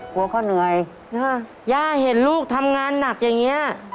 กลัวเขาเหนื่อยย่าเห็นลูกทำงานหนักอย่างนี้